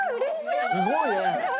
すごいね。